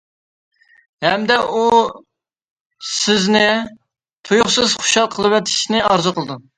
ھەمدە ئۇ سىزنى تۇيۇقسىز خۇشال قىلىۋېتىشنى ئارزۇ قىلىدۇ.